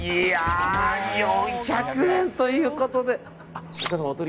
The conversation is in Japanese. ４００円ということで。